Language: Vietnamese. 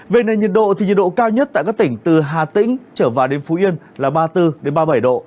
về nền nhiệt độ thì nhiệt độ cao nhất tại các tỉnh từ hà tĩnh trở vào đến phú yên là ba mươi bốn ba mươi bảy độ